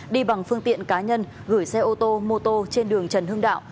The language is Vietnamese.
đi bằng phương tiện cá nhân gửi xe ô tô mô tô trên đường trần hưng đạo